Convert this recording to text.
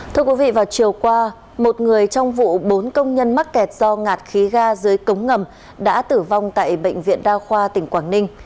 thưa quý vị vào chiều qua một người trong vụ bốn công nhân mắc kẹt do ngạt khí ga dưới cống ngầm đã tử vong tại bệnh viện đa khoa tỉnh quảng ninh